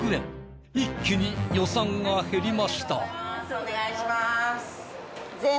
お願いします。